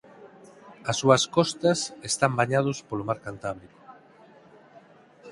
As súas costas están bañados polo mar Cantábrico.